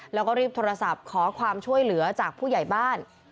แล้วก็รีบโทรศัพท์ขอความช่วยเหลือจากผู้ใหญ่บ้าน